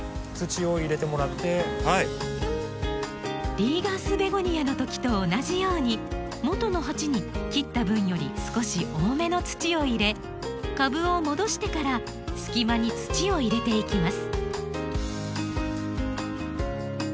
リーガースベゴニアの時と同じようにもとの鉢に切った分より少し多めの土を入れ株を戻してから隙間に土を入れていきます。